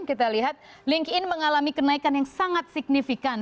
kita lihat linkedin mengalami kenaikan yang sangat signifikan